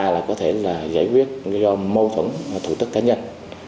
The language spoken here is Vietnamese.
là có thể là giải quyết do mâu thuẫn thủ tức cá nhân